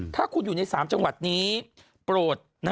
ถ้าคุณอยู่ใน๓จังหวัดนี้โปรด